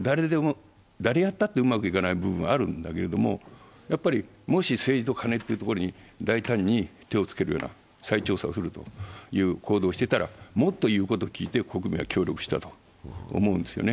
誰がやったってうまくいかない部分はあるんだけど、もし政治とカネというところに大胆に手をつけるような再調査をするという行動をしていたら、もっと言うことを聞いて国民は協力したと思うんですよね。